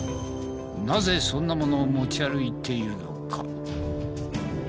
なぜそんなものを持ち歩いているのか？